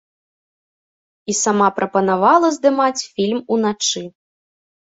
І сама прапанавала здымаць фільм уначы.